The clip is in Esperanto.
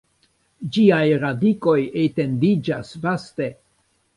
Ĝiaj radikoj etendiĝas vaste.